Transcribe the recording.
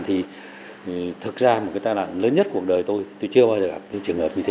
thì thực ra một cái tai nạn lớn nhất cuộc đời tôi tôi chưa bao giờ gặp những trường hợp như thế